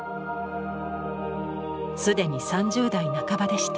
すでに３０代半ばでした。